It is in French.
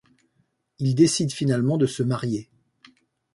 Ils décident finalement de se marier.